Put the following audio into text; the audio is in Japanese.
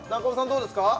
どうですか？